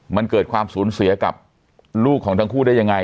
มันเกิดความสูญเสียกับลูกของทั้งคู่ได้ยังไง